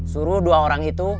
suruh dua orang itu